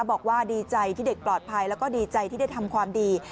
บอกว่าดีใจที่เด็กปลอดภัยแล้วก็ดีใจที่ได้ทำความดี